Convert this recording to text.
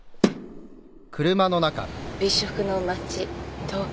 美食の街東京。